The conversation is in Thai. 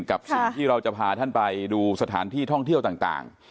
กับสิ่งที่เราจะพาท่านไปดูสถานที่ท่องเที่ยวต่าง